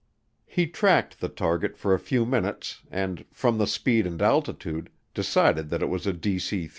He tracked the target for a few minutes and, from the speed and altitude, decided that it was a DC 3.